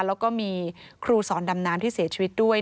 แล้วก็มีครูสอนดำน้ำที่เสียชีวิตด้วย